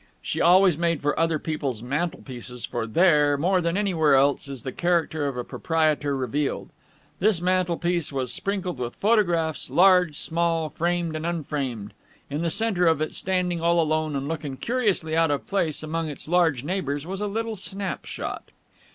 She always made for other people's mantelpieces, for there, more than anywhere else, is the character of a proprietor revealed. This mantelpiece was sprinkled with photographs, large, small, framed and unframed. In the centre of it, standing all alone and looking curiously out of place among its large neighbours, was a little snapshot.